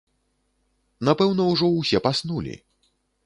Напэўна ўжо ўсе паснулі.